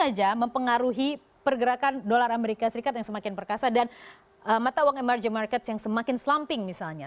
dan itu tentu saja mempengaruhi pergerakan dolar amerika serikat yang semakin perkasa dan mata uang emerging markets yang semakin slumping misalnya